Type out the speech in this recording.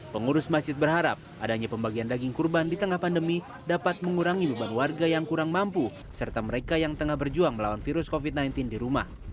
pengurus masjid berharap adanya pembagian daging kurban di tengah pandemi dapat mengurangi beban warga yang kurang mampu serta mereka yang tengah berjuang melawan virus covid sembilan belas di rumah